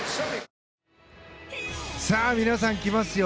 皆さん、来ますよ。